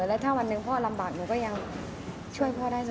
แล้วถ้าวันหนึ่งพ่อลำบากหนูก็ยังช่วยพ่อได้เสมอ